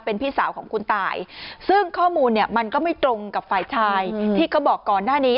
เป็นพี่สาวของคุณตายซึ่งข้อมูลเนี่ยมันก็ไม่ตรงกับฝ่ายชายที่เขาบอกก่อนหน้านี้